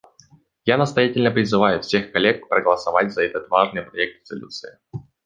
Я настоятельно призываю всех коллег проголосовать за этот важный проект резолюции.